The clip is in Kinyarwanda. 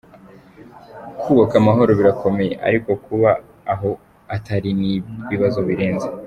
Kubaka amahoro birakomeye, ariko kuba aho atari ni ibibazo birenze”.